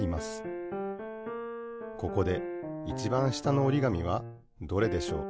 ここでいちばん下のおりがみはどれでしょう？